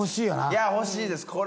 いや欲しいです